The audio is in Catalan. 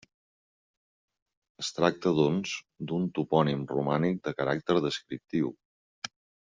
Es tracta, doncs, d'un topònim romànic de caràcter descriptiu.